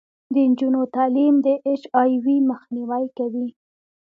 د نجونو تعلیم د اچ آی وي مخنیوی کوي.